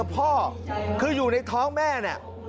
พ่อคืออยู่ในท้องแม่เนี่ย